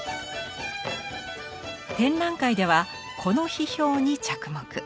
展覧会ではこの批評に着目。